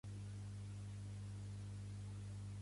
Ja el món ha introduït que tothom sia mosquit.